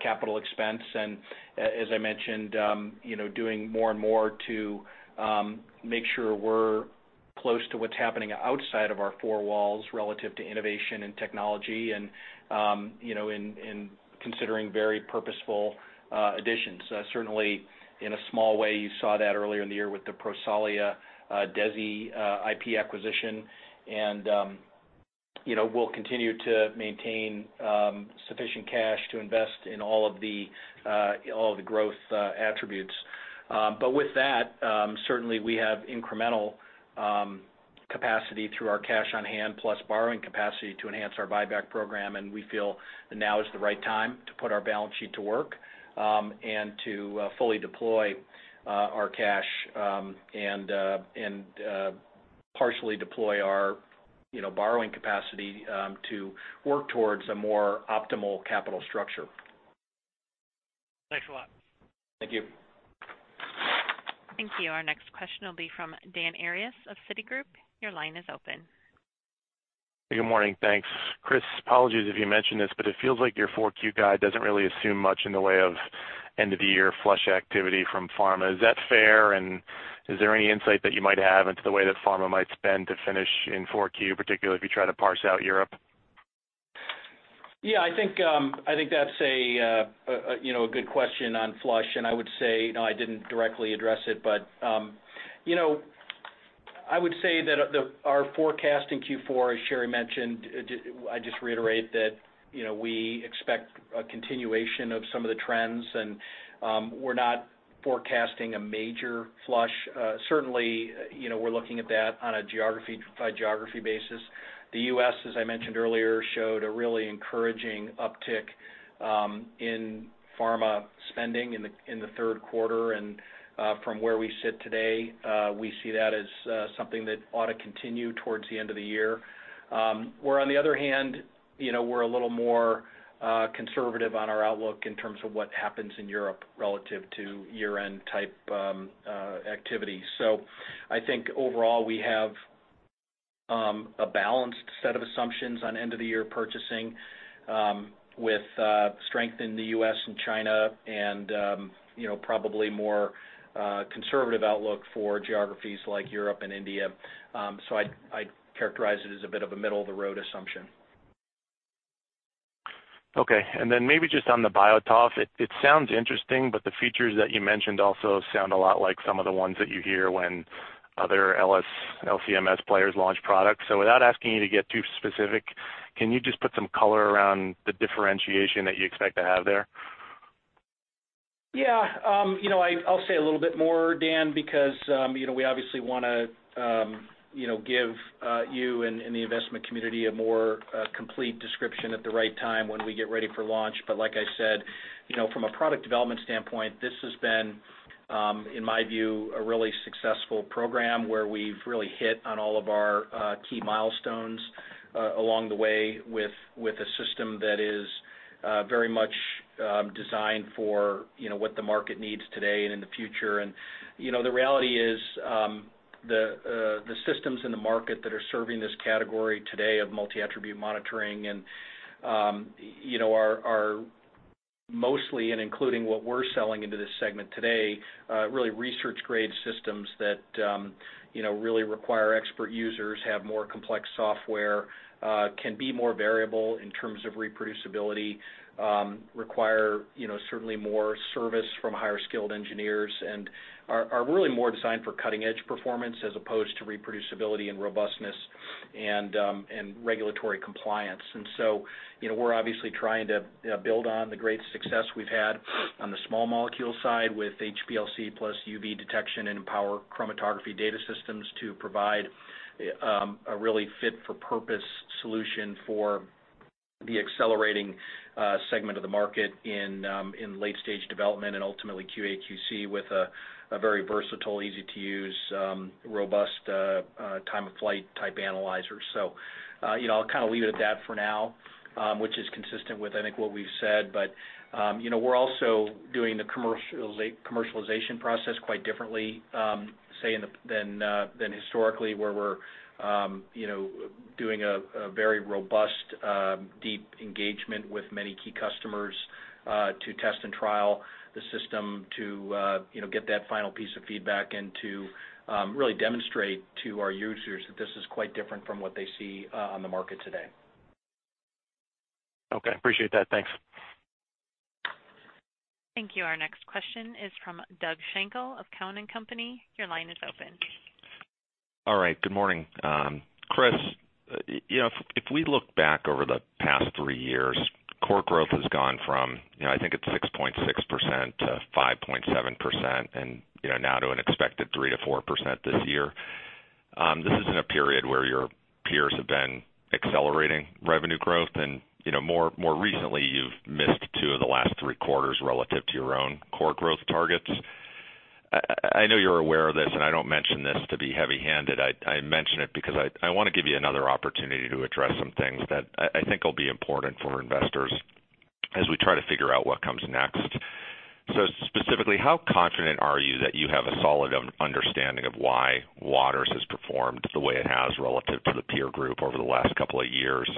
Speaker 12: capital expense, and, as I mentioned, doing more and more to make sure we're close to what's happening outside of our four walls relative to innovation and technology and in considering very purposeful additions. Certainly, in a small way, you saw that earlier in the year with the Prosolia DESI IP acquisition. We'll continue to maintain sufficient cash to invest in all of the growth attributes. But with that, certainly, we have incremental capacity through our cash on hand plus borrowing capacity to enhance our buyback program. And we feel now is the right time to put our balance sheet to work and to fully deploy our cash and partially deploy our borrowing capacity to work towards a more optimal capital structure.
Speaker 11: Thanks a lot. Thank you.
Speaker 1: Thank you. Our next question will be from Dan Arias of Citigroup. Your line is open.
Speaker 13: Hey, good morning. Thanks. Chris, apologies if you mentioned this, but it feels like your 4Q guide doesn't really assume much in the way of end-of-the-year flush activity from pharma. Is that fair? And is there any insight that you might have into the way that pharma might spend to finish in 4Q, particularly if you try to parse out Europe? Yeah. I think that's a good question on flush. And I would say, no, I didn't directly address it, but I would say that our forecast in Q4, as Sherry mentioned, I just reiterate that we expect a continuation of some of the trends. And we're not forecasting a major flush. Certainly, we're looking at that on a geography-by-geography basis. The U.S., as I mentioned earlier, showed a really encouraging uptick in pharma spending in the third quarter. And from where we sit today, we see that as something that ought to continue towards the end of the year. Where, on the other hand, we're a little more conservative on our outlook in terms of what happens in Europe relative to year-end type activity. So I think overall, we have a balanced set of assumptions on end-of-the-year purchasing with strength in the U.S. and China and probably more conservative outlook for geographies like Europe and India. So I'd characterize it as a bit of a middle-of-the-road assumption. Okay. And then maybe just on the BioTOF, it sounds interesting, but the features that you mentioned also sound a lot like some of the ones that you hear when other LCMS players launch products. So without asking you to get too specific, can you just put some color around the differentiation that you expect to have there?
Speaker 3: Yeah. I'll say a little bit more, Dan, because we obviously want to give you and the investment community a more complete description at the right time when we get ready for launch. But like I said, from a product development standpoint, this has been, in my view, a really successful program where we've really hit on all of our key milestones along the way with a system that is very much designed for what the market needs today and in the future. And the reality is the systems in the market that are serving this category today of multi-attribute monitoring and are mostly, and including what we're selling into this segment today, really research-grade systems that really require expert users, have more complex software, can be more variable in terms of reproducibility, require certainly more service from higher-skilled engineers, and are really more designed for cutting-edge performance as opposed to reproducibility and robustness and regulatory compliance. And so we're obviously trying to build on the great success we've had on the small molecule side with HPLC plus UV detection and Empower chromatography data systems to provide a really fit-for-purpose solution for the accelerating segment of the market in late-stage development and ultimately QA/QC with a very versatile, easy-to-use, robust time-of-flight type analyzer. So I'll kind of leave it at that for now, which is consistent with, I think, what we've said. But we're also doing the commercialization process quite differently, say, than historically, where we're doing a very robust, deep engagement with many key customers to test and trial the system to get that final piece of feedback and to really demonstrate to our users that this is quite different from what they see on the market today.
Speaker 13: Okay. Appreciate that. Thanks.
Speaker 1: Thank you. Our next question is from Doug Schenkel of Cowen & Company. Your line is open. All right. Good morning. Chris, if we look back over the past three years, core growth has gone from, I think it's 6.6%-5.7%, and now to an expected 3%-4% this year. This is in a period where your peers have been accelerating revenue growth. And more recently, you've missed two of the last three quarters relative to your own core growth targets.
Speaker 14: I know you're aware of this, and I don't mention this to be heavy-handed. I mention it because I want to give you another opportunity to address some things that I think will be important for investors as we try to figure out what comes next. So specifically, how confident are you that you have a solid understanding of why Waters has performed the way it has relative to the peer group over the last couple of years?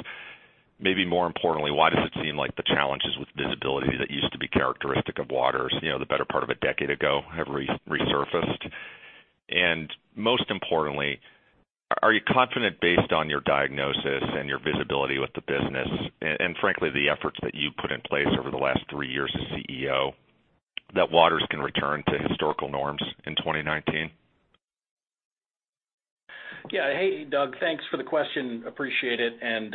Speaker 14: Maybe more importantly, why does it seem like the challenges with visibility that used to be characteristic of Waters, the better part of a decade ago, have resurfaced? And most importantly, are you confident based on your diagnosis and your visibility with the business and, frankly, the efforts that you put in place over the last three years as CEO that Waters can return to historical norms in 2019? Yeah.
Speaker 3: Hey, Doug, thanks for the question. Appreciate it. And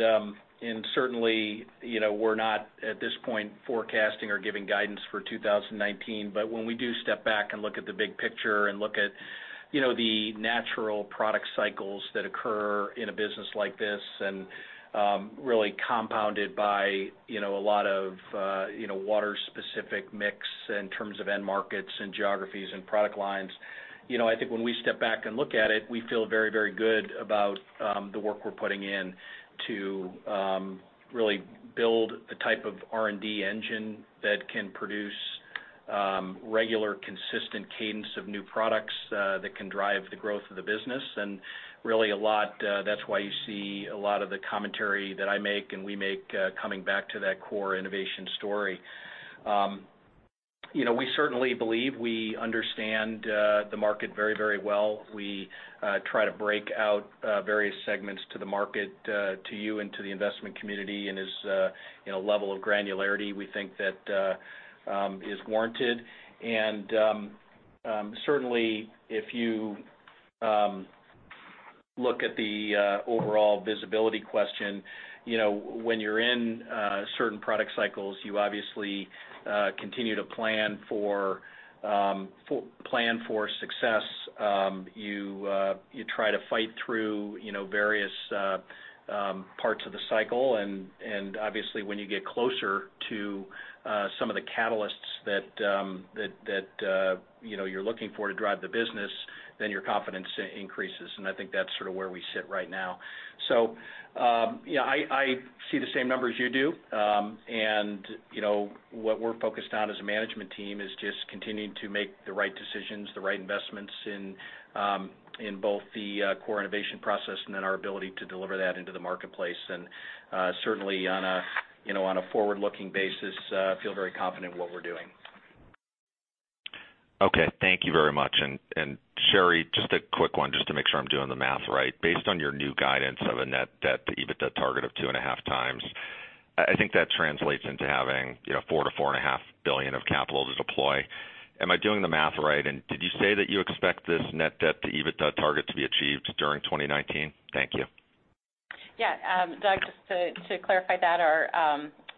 Speaker 3: certainly, we're not at this point forecasting or giving guidance for 2019. But when we do step back and look at the big picture and look at the natural product cycles that occur in a business like this and really compounded by a lot of Waters-specific mix in terms of end markets and geographies and product lines, I think when we step back and look at it, we feel very, very good about the work we're putting in to really build the type of R&D engine that can produce regular, consistent cadence of new products that can drive the growth of the business. And really, that's why you see a lot of the commentary that I make and we make coming back to that core innovation story. We certainly believe we understand the market very, very well. We try to break out various segments to the market, to you and to the investment community and as a level of granularity we think that is warranted. And certainly, if you look at the overall visibility question, when you're in certain product cycles, you obviously continue to plan for success. You try to fight through various parts of the cycle. And obviously, when you get closer to some of the catalysts that you're looking for to drive the business, then your confidence increases. And I think that's sort of where we sit right now. So I see the same numbers you do. And what we're focused on as a management team is just continuing to make the right decisions, the right investments in both the core innovation process and then our ability to deliver that into the marketplace. And certainly, on a forward-looking basis, I feel very confident in what we're doing. Okay. Thank you very much. And Sherry, just a quick one, just to make sure I'm doing the math right. Based on your new guidance of a net debt-to-EBITDA target of two and a half times, I think that translates into having $4-$4.5 billion of capital to deploy. Am I doing the math right? And did you say that you expect this net debt-to-EBITDA target to be achieved during 2019? Thank you.
Speaker 4: Yeah. Doug, just to clarify that, our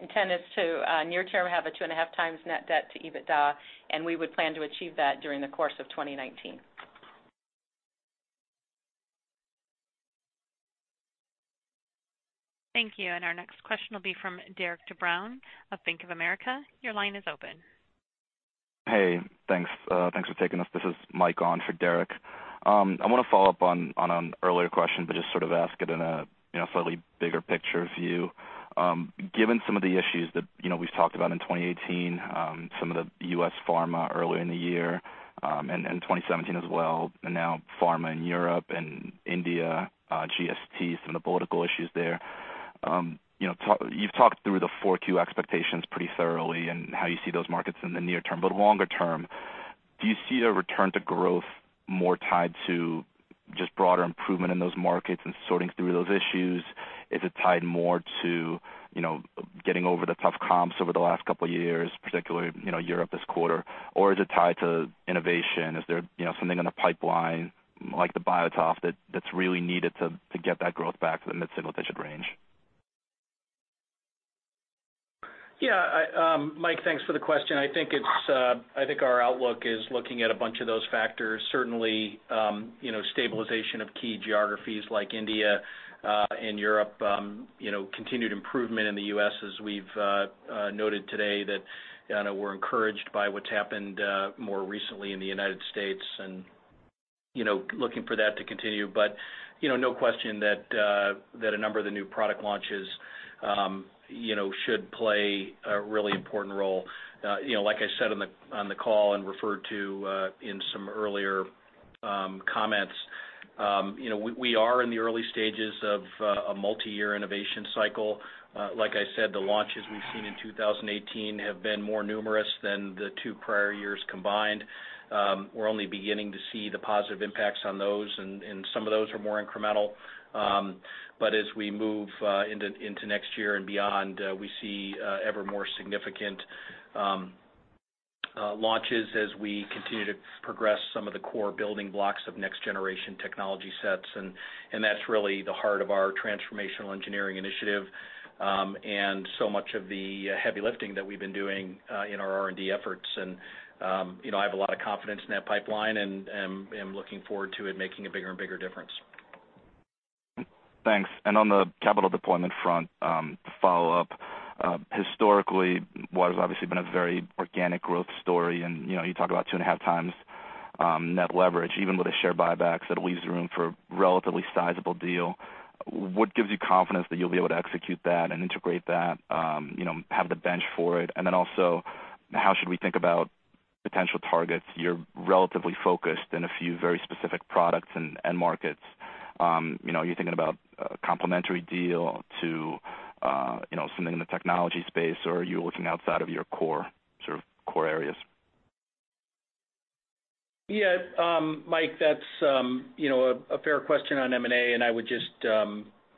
Speaker 4: intent is to near-term have a two and a half times net debt-to-EBITDA, and we would plan to achieve that during the course of 2019.
Speaker 1: Thank you. And our next question will be from Derik De Bruin of Bank of America. Your line is open. Hey, thanks.
Speaker 15: Thanks for taking this. This is Mike on for Derik. I want to follow up on an earlier question, but just sort of ask it in a slightly bigger picture view. Given some of the issues that we've talked about in 2018, some of the U.S. Pharma earlier in the year and 2017 as well, and now pharma in Europe and India, GST, some of the political issues there, you've talked through the 4Q expectations pretty thoroughly and how you see those markets in the near term. But longer term, do you see a return to growth more tied to just broader improvement in those markets and sorting through those issues? Is it tied more to getting over the tough comps over the last couple of years, particularly Europe this quarter? Or is it tied to innovation? Is there something in the pipeline, like the BioTOF, that's really needed to get that growth back to the mid-single-digit range?
Speaker 3: Yeah. Mike, thanks for the question. I think our outlook is looking at a bunch of those factors. Certainly, stabilization of key geographies like India and Europe, continued improvement in the U.S., as we've noted today, that we're encouraged by what's happened more recently in the United States and looking for that to continue. But no question that a number of the new product launches should play a really important role. Like I said on the call and referred to in some earlier comments, we are in the early stages of a multi-year innovation cycle. Like I said, the launches we've seen in 2018 have been more numerous than the two prior years combined. We're only beginning to see the positive impacts on those, and some of those are more incremental. But as we move into next year and beyond, we see ever more significant launches as we continue to progress some of the core building blocks of next-generation technology sets. And that's really the heart of our transformational engineering initiative and so much of the heavy lifting that we've been doing in our R&D efforts. And I have a lot of confidence in that pipeline and am looking forward to it making a bigger and bigger difference.
Speaker 15: Thanks. And on the capital deployment front, to follow up, historically, Waters has obviously been a very organic growth story. And you talk about two and a half times net leverage, even with a share buyback, so it leaves room for a relatively sizable deal. What gives you confidence that you'll be able to execute that and integrate that, have the bench for it? And then also, how should we think about potential targets? You're relatively focused in a few very specific products and markets. Are you thinking about a complementary deal to something in the technology space, or are you looking outside of your core sort of core areas?
Speaker 3: Yeah. Mike, that's a fair question on M&A, and I would just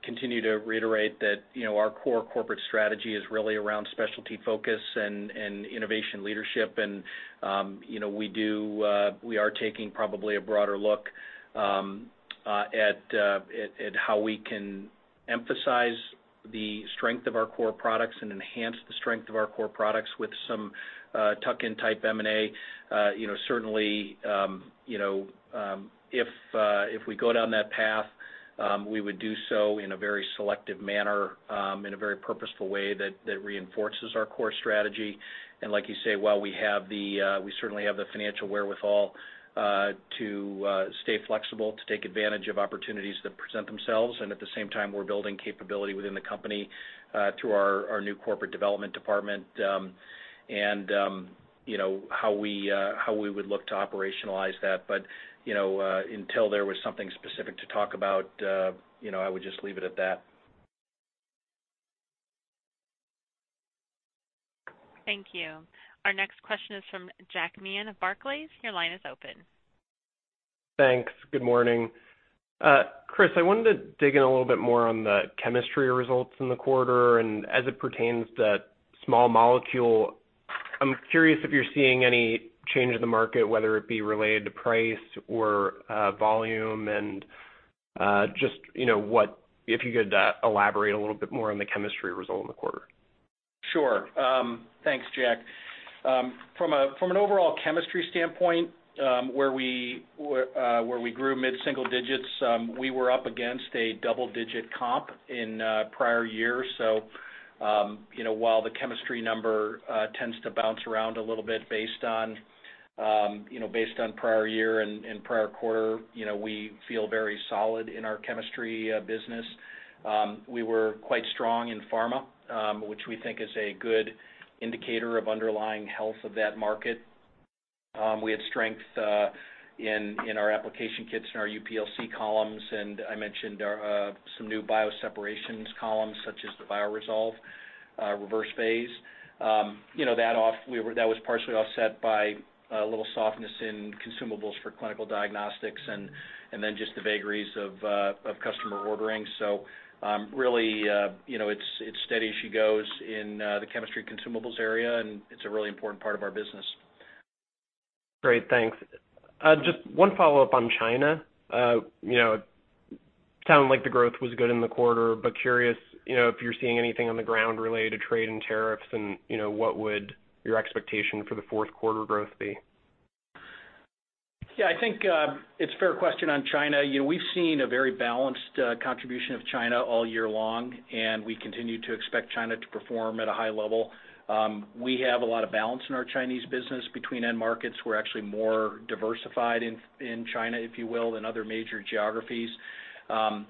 Speaker 3: continue to reiterate that our core corporate strategy is really around specialty focus and innovation leadership. And we are taking probably a broader look at how we can emphasize the strength of our core products and enhance the strength of our core products with some tuck-in-type M&A. Certainly, if we go down that path, we would do so in a very selective manner, in a very purposeful way that reinforces our core strategy. And like you say, while we certainly have the financial wherewithal to stay flexible, to take advantage of opportunities that present themselves, and at the same time, we're building capability within the company through our new corporate development department and how we would look to operationalize that but until there was something specific to talk about, I would just leave it at that.
Speaker 1: Thank you. Our next question is from Jack Meehan of Barclays. Your line is open.
Speaker 16: Thanks. Good morning. Chris, I wanted to dig in a little bit more on the chemistry results in the quarter and as it pertains to small molecule. I'm curious if you're seeing any change in the market, whether it be related to price or volume, and just if you could elaborate a little bit more on the chemistry result in the quarter.
Speaker 3: Sure. Thanks, Jack. From an overall chemistry standpoint, where we grew mid-single digits, we were up against a double-digit comp in prior years. So while the chemistry number tends to bounce around a little bit based on prior year and prior quarter, we feel very solid in our chemistry business. We were quite strong in pharma, which we think is a good indicator of underlying health of that market. We had strength in our application kits and our UPLC columns. And I mentioned some new bioseparations columns, such as the BioResolve reverse-phase. That was partially offset by a little softness in consumables for clinical diagnostics and then just the vagaries of customer ordering. So really, it's steady as she goes in the chemistry consumables area, and it's a really important part of our business.
Speaker 16: Great. Thanks. Just one follow-up on China. It sounded like the growth was good in the quarter, but curious if you're seeing anything on the ground related to trade and tariffs, and what would your expectation for the fourth quarter growth be?
Speaker 3: Yeah. I think it's a fair question on China. We've seen a very balanced contribution of China all year long, and we continue to expect China to perform at a high level. We have a lot of balance in our Chinese business between end markets. We're actually more diversified in China, if you will, than other major geographies. From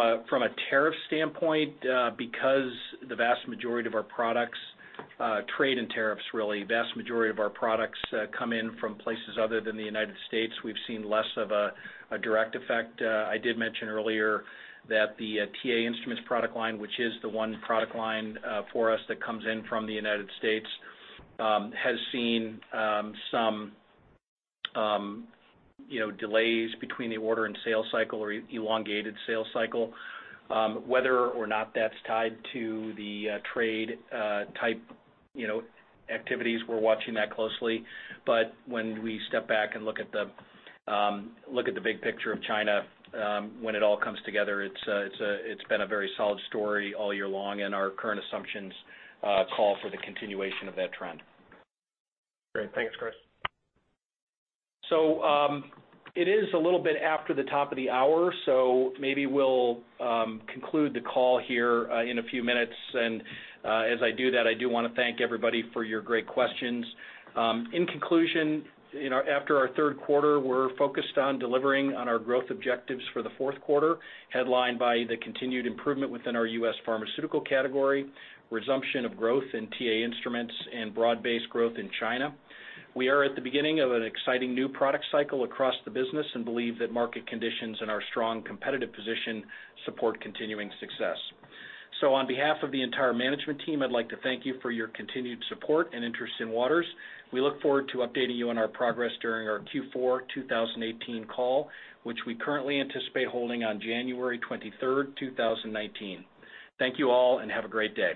Speaker 3: a tariff standpoint, because the vast majority of our products trade in tariffs, really, the vast majority of our products come in from places other than the United States, we've seen less of a direct effect. I did mention earlier that the TA Instruments product line, which is the one product line for us that comes in from the United States, has seen some delays between the order and sale cycle or elongated sale cycle. Whether or not that's tied to the trade-type activities, we're watching that closely. But when we step back and look at the big picture of China, when it all comes together, it's been a very solid story all year long, and our current assumptions call for the continuation of that trend.
Speaker 16: Great. Thanks, Chris. So it is a little bit after the top of the hour, so maybe we'll conclude the call here in a few minutes. And as I do that, I do want to thank everybody for your great questions. In conclusion, after our third quarter, we're focused on delivering on our growth objectives for the fourth quarter, headlined by the continued improvement within our U.S. pharmaceutical category, resumption of growth in TA Instruments, and broad-based growth in China. We are at the beginning of an exciting new product cycle across the business and believe that market conditions and our strong competitive position support continuing success. So on behalf of the entire management team, I'd like to thank you for your continued support and interest in Waters. We look forward to updating you on our progress during our Q4 2018 call, which we currently anticipate holding on January 23rd, 2019. Thank you all, and have a great day.